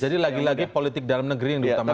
jadi lagi lagi politik dalam negeri yang diutamakan